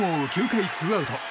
９回ツーアウト。